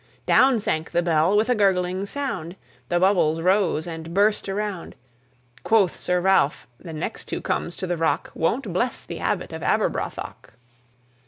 Down sank the Bell with a gurgling sound; The bubbles rose and burst around. Quoth Sir Ralph, "The next who comes to the Rock Won't bless the Abbot of Aberbrothok."